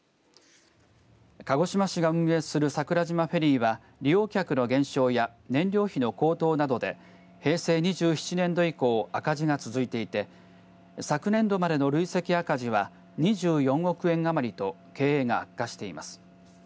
鹿児島市が運営する桜島フェリーは利用客の減少や燃料費の高騰などで平成２７年度以降赤字が続いていて昨年度までの累積赤字は２４億円余りと経営が悪化しています。